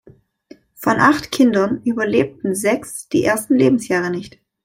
Von acht Kindern überlebten sechs die ersten Lebensjahre nicht.